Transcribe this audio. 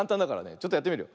ちょっとやってみるよ。